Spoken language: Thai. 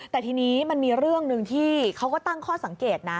แต่ทีนี้มันมีเรื่องหนึ่งที่เขาก็ตั้งข้อสังเกตนะ